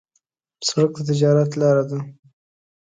سړک د تجارت لاره ده.